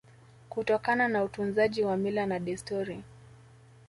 Kutokana na utunzaji wa mila na desturi